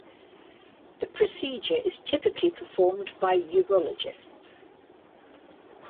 The procedure is typically performed by urologists.